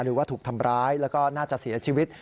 หรือว่าถูกทำร้ายแล้วก็น่าจะเสียชีวิต